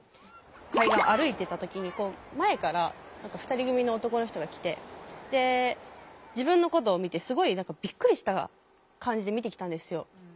海岸を歩いてた時に前から２人組の男の人が来て自分のことを見てすごいびっくりした感じで見てきたんですよ。